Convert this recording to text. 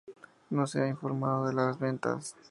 No se ha informado de las ventas.